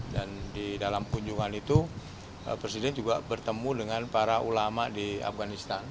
dan di dalam kunjungan itu presiden juga bertemu dengan para ulama di afganistan